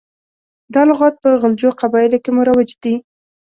دا لغات په غلجو قبایلو کې مروج دی.